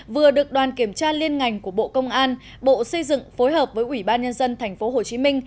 vừa được đoàn kiểm tra liên ngành của bộ công an bộ xây dựng phối hợp với ủy ban nhân dân tp hcm